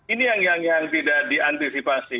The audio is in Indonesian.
ini yang tidak diantisipasi